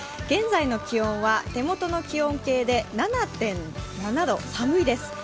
現在の気温は手元の気温計で７．７度、寒いです。